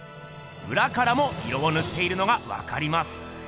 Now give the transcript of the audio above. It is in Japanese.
うらからも色をぬっているのがわかります。